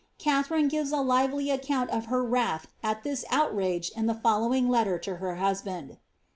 Katharine gives a lively account of her wrath at this outrage in the following letter to her hus band.'